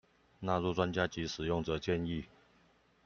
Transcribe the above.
納入專家及使用者建議